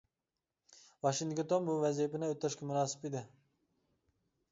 ۋاشىنگتون بۇ ۋەزىپىنى ئۆتەشكە مۇناسىپ ئىدى.